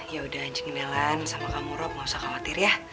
yaudah ancing nelan sama kamu rob gak usah khawatir ya